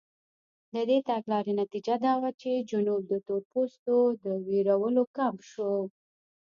د دې تګلارې نتیجه دا وه چې جنوب د تورپوستو د وېرولو کمپ شو.